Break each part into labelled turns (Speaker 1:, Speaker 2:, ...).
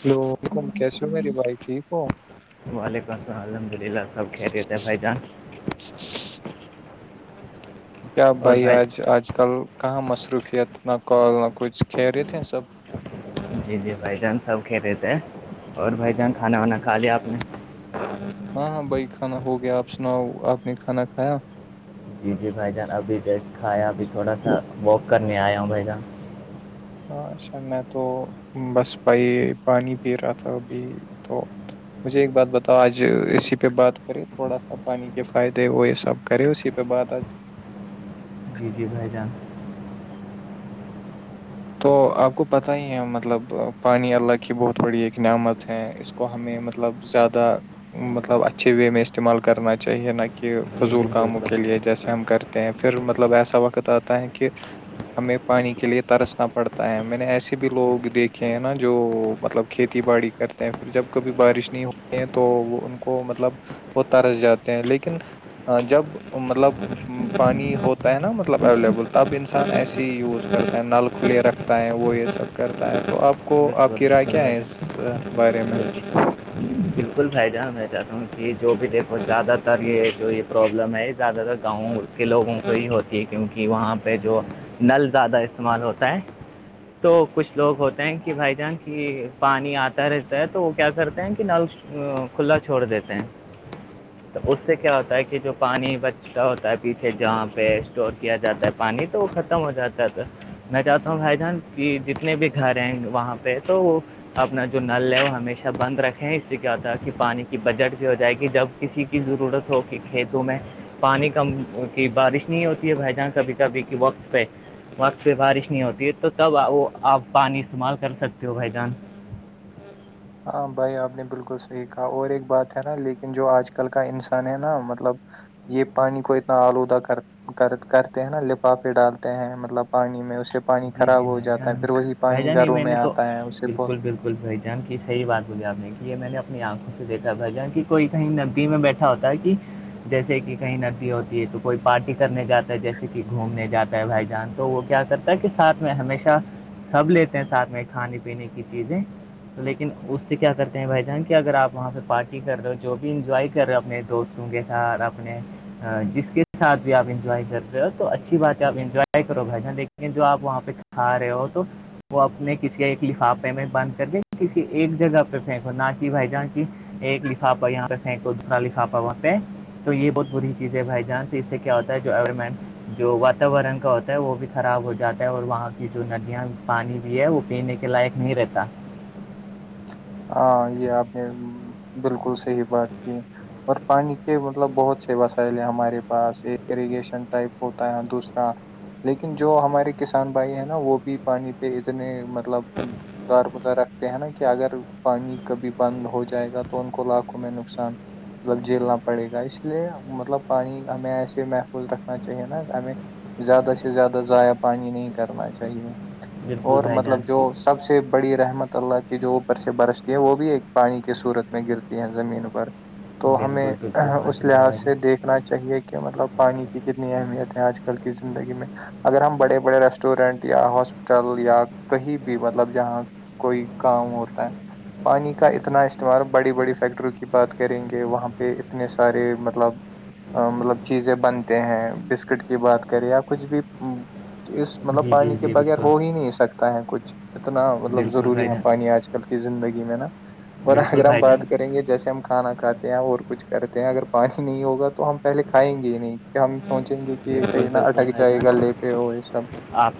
Speaker 1: hello welcome کیسے ہو میرری بھائی ٹھیک ہو
Speaker 2: وعلیکم السل الحمد للہ سب کھیتے تھے بھائی جان
Speaker 1: کیا بھائی آج آج کل کہاں مصروفیت نہ کال نہ کچھ کہ رہے تھے سب
Speaker 2: جی جی بھائی جان سب کہ رہے تھے اور بھائی جان کھانا وانا کھا لیا آپ نے
Speaker 1: ہاں ہاں بائی کھانا ہو گیا آپ سناؤ آپ نے کھانا کھایا
Speaker 2: جی جی بھائی جان ابھی ریسٹ کھایا ابھی تھوڑا سا واک کرنے آیا ہوں بھائی جان
Speaker 1: ہاں اچھا میں تو بس بھائی پانی پی رہا تھا ابھی تو مجھے ایک بات بتاؤ آج اسسی پہ بات کرے تھوڑا سا پانی کے فائدے وہ یہ سب کرے اسی پہ بات آج
Speaker 2: جی جی بھائی جان
Speaker 1: تو آپ کو پت ہی ہے مطلب پانی اللہ کی بہت بڑی ایک نعمت ہے اس کو ہمیں مطلب زیادہ مطلب اچھے وے میں استعمال کرنا چاہیے نہ کہ
Speaker 2: جی جی
Speaker 1: فضول کاموں
Speaker 2: بالکل
Speaker 1: کے لیے جیسے ہم کرتے پھر مطلب ایسا وقت آتا ہے کہ ہمیں پانی کے لیے ترس نا پڑتا ہے میں نے ایسے بھی لوگ دیکھے ہیں نا جو مطلب کھیتی باڑی کرتے پھر جب کبھی بارش نہیں ہوتی ہیں تو وہ ان کو مطلب وہ ترس جاتے ہیں لیکن جب مطلب پانی ہوتا ہے نا مطلب اویلیبل تب انسان ایسے ہی یوز کرتا ہے کھلے رکھتا ہے وہ یہ سب کرتا ہے تو آپ کو آپ
Speaker 2: بالکل
Speaker 1: کی رائے کیا ہے اس بارے میں
Speaker 2: ا بالکل فھائی جانا میں چاہتا ہوں کہ جو بھی دیکھو زیادہ تر یہ جو یہ پرابلم ہے یہ زیادہ تر گاؤں کے لوگوں کو یہ ہوتی ہے کیونکہ وہاں پہ جو نل زیادہ استعمال ہوتا ہے تو کچھ لوگ ہوتے ہیں کہ بھائی جان کی پانی آتا رہتا ہے تو وہ کیا کرتے ہیں کہ نل کھلا چھوڑ دیتے ہیں تو اس سے کیا ہوتا ہے کہ جو پانی بچتا ہوتا ہے پیچھے جہاں پہ اسٹ کیا جاتا ہے پانی تو وہ ختم ہو جاتا ہے تھا میں چاہتا ہوں بھائی جان کہ جتنے بھی گھر ہیں وہاں پہ تو وہ اپنا جو نل ہے وہ ہمیشہ بند رکھے ج سے کیا تھا کہ پانی کی بجٹ بھی ہو جائے گی جب کسی کی ضرورت ہو کہ کھیتوں میں پانی کم کی بارش نہیں ہوتی ہے بھائی جان کبھی کبھی کہ وقت پہ وقت پہ بارش نہیں ہوتی ہے تو تب وہ آپ پانی استعمال کر سکتے ہو بھائی جان
Speaker 1: ہاں بھائی آپ نے بالکل صحیح کہا اور ایک بات ہے نا لیکن جو آج کل کا انسان ہے نا مطلب یہ پانی کو اتنا آلودہ کر کر کرتے ہیں نا لپافے ڈالتے ہیں مطلب پانی میں اسے پانی
Speaker 2: جی
Speaker 1: خراب
Speaker 2: جی
Speaker 1: ہو
Speaker 2: بھائی
Speaker 1: جاتا ہے
Speaker 2: جان
Speaker 1: پھر وہی
Speaker 2: بھائی
Speaker 1: پانی
Speaker 2: جان یہ
Speaker 1: گھروں میں
Speaker 2: نے تو
Speaker 1: آتا ہے اسے بہت
Speaker 2: بالکل بالکل بھائی جان کی صحی بات بولی آپ نے کہ یہ میں نے اپنی آنکھوں سے دیکھا بھ جان کی کوئی کہیں ندی میں بیٹھے ہوتا کہ جیسے کہ کہیں ندی ہوتی ہے تو کوئی پارٹی کرنے جاتا ہے جیسے کہ گھومنے جاتا ہے بھائی جان تو وہ کیا کرتا کہ ساتھ میں ہمیشہ سب لیتے ہیں ساتھ میں کھانے پینے کی چیزیں تو لیکن اس سے کیا کرتے ہیں بھائی جان کہ اگر آپ وہاں پہ پارٹی کر رہے ہو جو بھی انجوائے کر رہے ہو اپنے دوست دگے سار اپنے جس کے ساتھ بھی آپ انجوائے کر رہے ہو تو اچھی بات ہے آپ انجوائے کرو بھائی جان دیک لیکن جو آپ وہاں پہ کھا رہے ہو تو وہ اپنے کسی ایک لفافے میں بند کر دیں کسی ایک جگہ پہ پھینکو نہ کہ بھائی جہاں کی ایک لفافہ یہاں پہ دوسرا لفافہ وہاں پہ تو یہ بہت بری چیز ہے بھائی جان تو اس سے کیا ہوتا ہے جو م جو واتاورن کا ہوتا ہے وہ بھی خراب ہو جاتا ہے اور وہاں کی جو ندیاں پانی بھی ہے وہ پینے کے لائق نہیں رہتا
Speaker 1: ہاں یہ آپ نے بالکل صحی بات کی اور پانی کے مطلب بہت سے وسائل ہمارے پاس ایک ایریگیشن ٹائپ ہوتا ہے دوسرا لیکن جو ہمارے کسان بھائی ہیں نا وہ بھی پانی پہ اتنے مطلب دار بدر رکھتے ہیں نا کہ اگر پانی کبھی بند ہو جائے گا تو ان کو لاکھوں میں نقصان مطلب جیلنا پڑے گا اس لیے مطلب پانی ہمیں ایسے محفوظ رکھنا چاہیے نا ہمیں زیادہ سے زیادہ ضائع پانی نہیں کرنا چاہیے
Speaker 2: بالکل
Speaker 1: اور
Speaker 2: بھائی جان
Speaker 1: مطلب جو سب سے سے بڑی رحمت اللہ کی جو اوپر سے برستی ہے وہ بھی ایک پانی کی صورت میں گرتی ہے زمین پر تو ہمیں
Speaker 2: بالکل بالکل
Speaker 1: اس
Speaker 2: ماشاء اللہ
Speaker 1: لحاظ
Speaker 2: بھائی
Speaker 1: سے
Speaker 2: جان
Speaker 1: دیکھ اتنا چاہیے کہ مطلب پانی کی کتنی اہمیت ہے آج کل کی زندگی میں اگر ہم بڑے بڑے ریسٹورینٹ یا ہاسپٹل یا کہیں بھی مطلب جہاں کوئی کام ہوتا ہے پانی کا اتنا استعمال بڑی بڑی فیکٹریوں کی بات کریں گے وہاں پہ اتنے سارے مطلب مطلب چیزیں بنتے ہیں بسکٹ کی بات کرے یا کچھ بھی اس مطلب
Speaker 2: جی جی
Speaker 1: پانی کے
Speaker 2: جی
Speaker 1: بغیر
Speaker 2: بالکل
Speaker 1: ہو ہی نہیں سکتا ہے کچھ اتنا مطلب
Speaker 2: بالکل
Speaker 1: ضروری
Speaker 2: بھائی
Speaker 1: ہے
Speaker 2: جان
Speaker 1: پانی آج کل زندگی میں نا اور
Speaker 2: بالکل
Speaker 1: اگر ہم
Speaker 2: بھائی
Speaker 1: بات
Speaker 2: جان
Speaker 1: کریں گے جیسے ہم کھانا کھاتے اور کچھ کرتے ہیں اگر پانی نہیں ہوگا تو ہم پہلے کھائیں گے ہی نہیں کہ ہم سوچیں گے کہ
Speaker 2: بالکل
Speaker 1: کہیں نہ
Speaker 2: بالکل
Speaker 1: اٹک
Speaker 2: بھائی
Speaker 1: جائے گ
Speaker 2: جان
Speaker 1: لے پہ ہو یہ سب
Speaker 2: آپ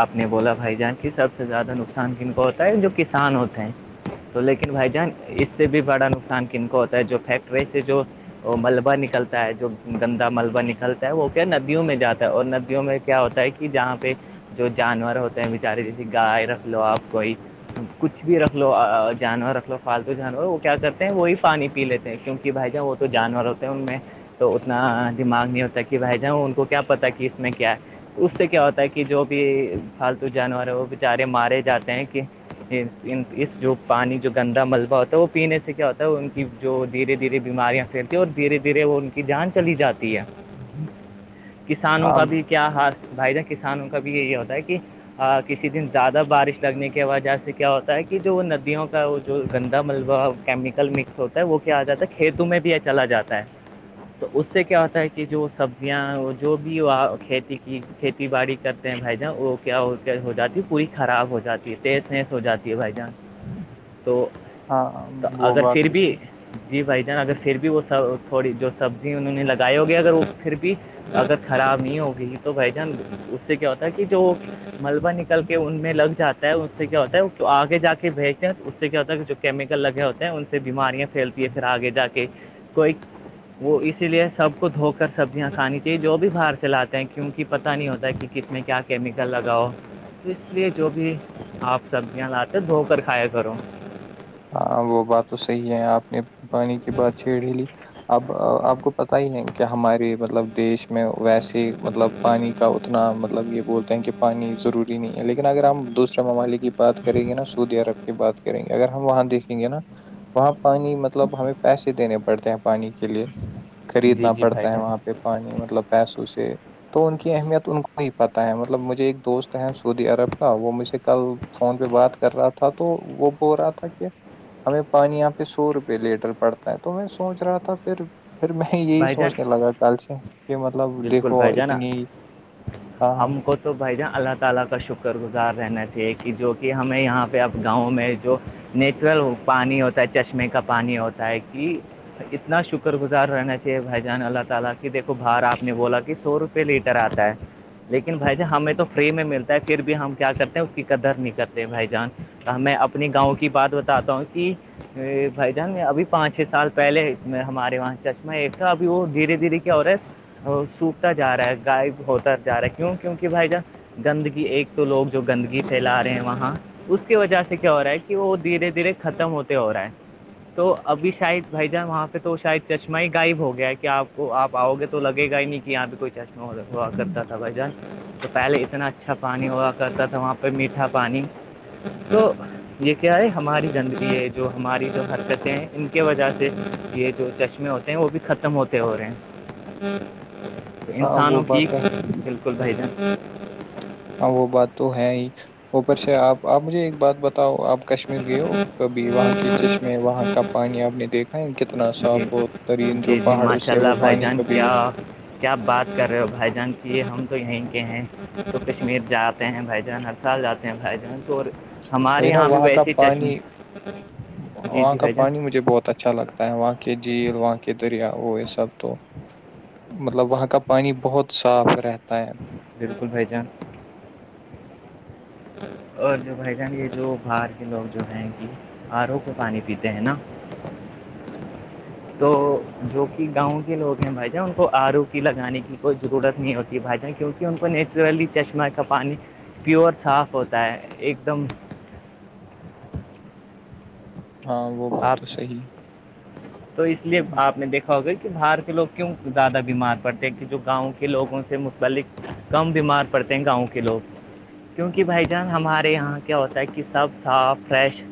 Speaker 2: آپ نے بولا بھائی جان کی سب سے زیادہ نقصان کن کو ہوتا ہے جو کسان ہوتے ہیں تو لیکن بھائی جان اس سے بھی بڑا نقصان کن کو ہوتا ہے جو فیکٹری سے جو وہ ملبہ نکلتا ہے جو گندا ملبہ نکلتا ہے وہ ندیوں میں جاتا ہے اور ندیوں میں کیا ہوتا ہے کہ جہاں پہ جو جانور ہوتے ہیں بیچارے جیسے گائے رکھ لو آپ کوئی کچھ بھی رکھ لو جانور رکھ لو فالتو جانور وہ کیا کرتے ہیں وہی پانی پی لیتے ہیں کیونکہ بھائی جان وہ تو جانور ہوتے ہیں ان میں تو اتنا دماغ نہیں ہوتا کہ کہ بھائی جانؤوں ان کو کیا پتاہ کہ اس میں کیا اس سے کیا ہوتا ہے کہ جو بھی پالتو جانور ہے وہ بچارے مارے جاتے ہیں کہ اس جو پانی جو گندا ملبہ ہوتا ہے وہ پینے سے کیا ہوتا ہے ان کی جو دھیرے دھیرے بیماریاں پھیلتی ہے اور دھیرے دھیرے وہ ان کی جان چلی جاتی ہے کسانوں
Speaker 1: ہاں
Speaker 2: کا بھی کیا حال بھائی جان کسانوں کا بھی یہ یہ ہوتا ہے کہ ہ کسی دن زیادہ بارش لگنے کی وجہ سے کیا ہوتا ہے کہ جو ندیوں کا وہ جو گندا ملبہ کیمیکل مکس ہوتا ہے وہ کیا آ جاتا ہے کھیتوں میں بھی یہ چلا جاتا ہے تو اس سے کیا ہوتا ہے کہ جو سبزیاں وہ جو بھی وہ کھیتی کی کھیتی باڑی کرتے ہیں بھائی جان وہ کیا ہو کیا ہو جاتی ہے پوری خراب ہو جاتی ہے تیز تیز ہو جاتی ہے بھائی جان
Speaker 1: [inaudible]
Speaker 2: تو
Speaker 1: ہاں وہ
Speaker 2: اگر
Speaker 1: بات
Speaker 2: پھر
Speaker 1: تو
Speaker 2: بھی
Speaker 1: صحیح
Speaker 2: جی بھائی جان اگر پھر بھی وہ س تھوڑی جو سبزی انہوں نے لگائے ہوگے اگر وہ پھر بھی اگر خراب نہیں ہوگئی تو بھائی جان اس سے کیا ہوتا ہے کہ جو ملبہ نکل کے ان میں لگ جاتا ہے اس سے کیا ہوتا ہے آگے جا کے بھیجتے ہیں اس سے کیا ہوتا ہے کہ جو کیمیکل لگے ہوتے ہیں ان سے بیماریاں پھیلتی ہے پھر آگے جا کے کوئی وہ اسی لیے سب کو دھوکہ سبزیاں کھانی چاہیے جو بھی باہر سے لاتے ہیں کیونکہ پت نہیں ہوتا ہے کہ کس میں کیا کیمیکل لگاؤ اس لیے جو بھی آپ سبزیاں لاتے دھو کر کھایا کرو
Speaker 1: ہاں وہ بات تو صحیح ہے آپ نے پانی کی بات چھیڑ ہی لی اب آپ کو پت ہی ہے کیا ہمارے مطلب دیش میں ویسے مطلب پانی کا اتنا مطلب یہ بولتے ہیں کہ پانی روری نہیں ہے لیکن اگر ہم دوسرے ممالک کی بات کریں گے نا سعودی عرب کی بات کریں گے اگر ہم وہاں دیکھیں گے نا وہاں پانی مطلب ہمیں پیسے دینے پڑتے ہیں پانی کے لیے
Speaker 2: جی
Speaker 1: خریدنا
Speaker 2: جی بھائی
Speaker 1: پڑتا ہے
Speaker 2: جان
Speaker 1: وہاں پہ پانی مطلب پیسوں سے تو ان کی اہمیت ان کو ہی پتہ ہے مطلب مجھے ایک دوست ہیں سعودی عرب کا وہ مجھے کل فون پہ بات کر رہا تھا تو وہ بول رہا تھا کہ ہمیں پانی یہاں پہ سو روپے لیٹر پڑتا ہے تو میں سوچ رہا تھا پھر پھر میں یہی
Speaker 2: بھائی جان
Speaker 1: سوچنے لگا کل سے کہ مطلب
Speaker 2: بالکل
Speaker 1: دیکھو
Speaker 2: بھائی جان
Speaker 1: اتنی ہاں ہاں
Speaker 2: [unintelligible] نیچرل پانی ہوتا ہے چشمے کا پانی ہوتا ہے کہ اتنا شکر گزار رہنا [unintelligible] لیکن بھائی جان ہمیں تو فری میں ملتا ہے پھر بھی ہم کیا کرتے ہیں اس کی قدر نہیں کرتے بھائی جان میں اپنے گاؤں کی بات بتاتا ہوں کہ بھائی جان ابھی پانچ چھ سال پہلے ہمارے وہاں چ میں ایک تھا ابھی وہ دھیرے دھیرے کیا ہو رہا ہے سوکھتا جا رہا ہے گائے ہوتا جا رہا ہے کیوں کیوںک بھائی جان گندگی ایک تو لوگ جو گندگی پھیلا رہے ہیں وہاں اس کی وجہ سے کیا ہو رہا ہے کہ وہ دھیرے دھیرے ختم ہوتے ہو رہا ہے تو ابھی شاید بھائی جان وہاں پہ تو شاید چشمے میں غائب ہو گیا ہے کہ آپ کو آپ آؤ گے تو لگے گا ہی نہیں کہ یہاں پہ کوئی چشمہ ہوا کرتا تھا بھائی جان تو پہلے اتنا اچھا پانی ہوا کرتا تھا وہاں پہ میٹھا پانی تو یہ کیا ہے ہماری زندگی ہے جو ہماری جو حرکتیں ہیں ان کی وجہ سے یہ جو چشمے ہوتے ہیں وہ بھی ختم ہوتے ہو رہے ہیں
Speaker 1: ہاں وہ
Speaker 2: انسانوں کی
Speaker 1: بات ہے
Speaker 2: بالکل ک صائی تھا
Speaker 1: ہاں وہ بات تو ہے ہی اوپر سے آپ آپ مجھے ایک بات بتاؤ آپ کشمیر گئے ہو وہاں کے چشمے وہاں کا پانی آپ نے دیکھا ہے کتنا اتنا صاف
Speaker 2: جی
Speaker 1: ہو ترین جو
Speaker 2: جی
Speaker 1: پہاڑوں سے وہ پانی کبھی
Speaker 2: کیاپ بات کر رہے ہو بھائی جان کی یہ ہم تو یہیں کے ہیں تو کشمیر جاتے ہیں بھائی جان اب سال جاتے ہیں فائد میں تو ہمارے
Speaker 1: وہ نا
Speaker 2: یہاں بھی
Speaker 1: وہاں کا
Speaker 2: ویسے ہی
Speaker 1: پانی
Speaker 2: چشمے جی
Speaker 1: وہاں
Speaker 2: جی
Speaker 1: کا
Speaker 2: بھائی جان
Speaker 1: پانی مجھے بہت اچھا لگتا ہے وہاں کے جھیل وہاں کے دریا وہ یہ سب تو مطلب وہاں کا پانی بہت صاف رہتا ہے
Speaker 2: بالکل بھائی جان اور جو بھائی جان یہ جو باہر کے لوگ جو ہیں کہ آرو کو پانی پیتے ہیں نا تو جو کہ گاؤں کے لوگ ہیں بھائی جان ان کو آرو پی لگانے کی کوئی ضرورت نہیں ہوتی یہ بھاجا کیونکہ ان کو نیچرلی چشمہ کا پانی پیور صاف ہوتا ہے ایک دم
Speaker 1: ہاں وہ بات
Speaker 2: آپ
Speaker 1: تو صحیح
Speaker 2: تو اس لیے
Speaker 1: ہے
Speaker 2: آپ نے دیکھا ا ہو گئی کہ باہر کے لوگ کیوں زیادہ بیمار پڑتے ہیں کہ جو گاؤں کے لوگوں سے متعلق کم بیمار پڑتے ہیں گاؤں کے لوگ کیونکہ بھائی جان ہمارے یہاں کیا ہوتا ہے کہ سب صاف فریش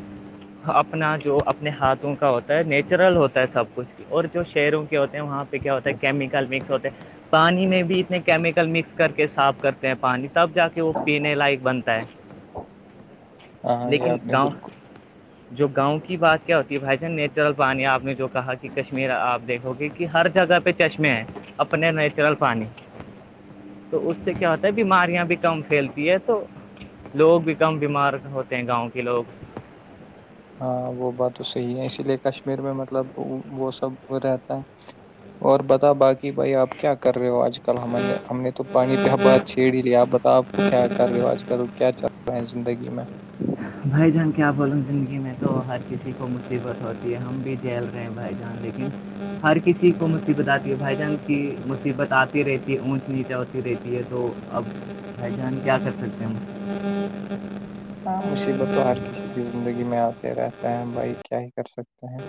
Speaker 2: اپنا جو اپنے ہاتھوں کا ہوتا ہے نیچرل ہوتا ہے سب کچھ اور جو شہروں کے ہوتے ہیں وہاں پہ کیا ہوتا ہے کیمیکل مکس ہوتے ہیں پانی میں بھی اتنے کیمیکل مکس کر کے صاف کرتے ہیں پانی تب جا کے وہ پینے لائق بنتا ہے
Speaker 1: ہاں یہ
Speaker 2: لیکن
Speaker 1: آپ نے
Speaker 2: گاؤں
Speaker 1: بالکل
Speaker 2: جو گاؤں کی بات کیا ہوتی ہے بھائی جان نیچرل پانی آپ نے جو کہا کہ کشمیر آپ دیکھو گے کہ ہر جگہ پہ چشمے ہیں اپنے نیچرل پانی تو اس سے کیا ہوتا ہے بیماریاں بھی کم پھیلتی ہے تو لوگ بھی کم بیمار ہوتے ہیں گاؤں کے لوگ
Speaker 1: ہاں وہ بات تو صحیح ہے اسی لیے کشمیر میں مطلب وہ سب رہتا ہے اور بتا باقی بھائی آپ کیا کر رہے ہو آج ک کل ہم ہم نے تو پانی پہ بد چھیڑ ہی لیا آپ بتا آپ کیا کر ریوج کرو کیا چل اپنی زندگی میں
Speaker 2: بھائی جان کیا بولوں زندگی میں تو ہر چیز کسی کو مصیبت ہوتی ہے ہم بھی جیل رہے ہیں بھائی جان لیکن ہر کسی کو مصیبت آتی ہے بھائی جان کی مصیبت آتی رہتی ہے اونچ نیچا ہوتی رہتی ہے تو اب پہچان کیا کر سکتے ہیں ہم
Speaker 1: ہاں مصیبت تو ہر کسی کی زندگی میں آتے رہتے ہیں بھائی کیا ہی کر سکتے ہیں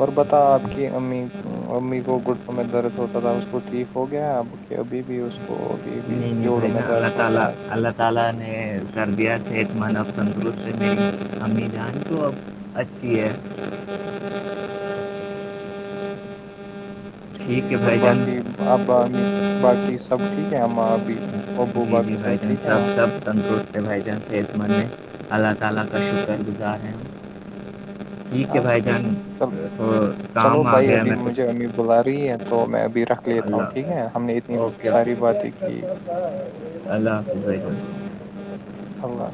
Speaker 1: اور بتا آپ کی امی امی کو گٹوں میں درد ہوتا تھا اس کو ٹھیک ہو گیا اب کہ ابھی بھی اس کو ابھی بھی
Speaker 2: نہیں
Speaker 1: جوڑوں
Speaker 2: بھائی
Speaker 1: میں
Speaker 2: جان
Speaker 1: درد ہوتا ہے آج کل
Speaker 2: اللہ تعالی نے کر دیا صحت مند تندرست ہے میری امی جان کو [unintelligible] ٹھیک ہے
Speaker 1: اور
Speaker 2: بھائی جان
Speaker 1: باقی ابا امی باقی سب ٹھیک ہے اما ابھی ابو
Speaker 2: جی جی
Speaker 1: باقی سب
Speaker 2: بھائی جان
Speaker 1: ٹھیک ہے وہاں
Speaker 2: انسب سب تندرست اللہ تعالی کا شکر گزار ہیں ٹھیک ہے بھائی
Speaker 1: اچھا
Speaker 2: جان
Speaker 1: چل
Speaker 2: تو
Speaker 1: چلو
Speaker 2: کام آ
Speaker 1: بھائی
Speaker 2: گیا
Speaker 1: ابھی
Speaker 2: میرے کو
Speaker 1: مجھے امی بلا رہی ہے تو میں ابھی رکھ لیتا ہوں ٹھیک ہے ہم نے اتنی
Speaker 2: وکے
Speaker 1: ساری باتیں کی
Speaker 2: اللہ حافظ
Speaker 1: اللہ